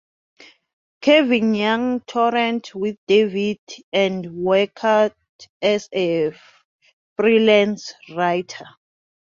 Kevin Young toured with David and worked as a freelance writer.